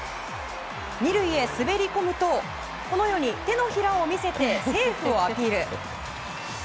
２塁へ滑り込むとこのように手のひらを見せてセーフをアピール。